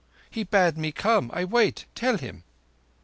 He bade me come. I wait. Tell him."